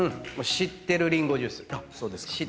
知ってるりんごジュース。